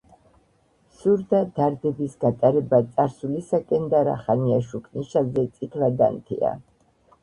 მსურდა დარდების გატარება წარსულისაკენ და რახანია შუქნიშანზე წითლად ანთია.